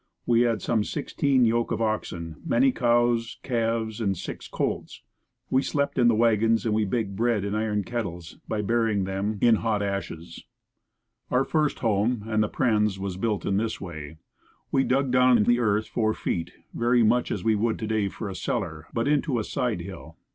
We had some sixteen yoke of oxen, many cows, calves, and six colts. We slept in the wagons and we baked bread in iron kettles by burying them in hot ashes. Our first home and the Prehn's was built in this way: We dug down in the earth four feet, very much as we would today for a cellar, but into a side hill.